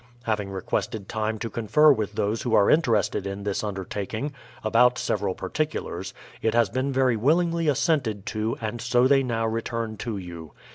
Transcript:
Having requested time to confer with those who are interested in this undertaking, about several particulars, it has been very willingly assented to and so they now return to you.